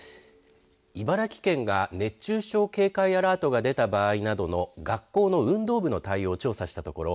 茨城県が熱中症警戒アラートが出た場合などの学校の運動部の対応を調査したところ